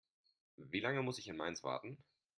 Wie lange muss ich in Mainz warten?